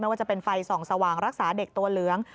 ว่าจะเป็นไฟส่องสว่างรักษาเด็กตัวเหลือง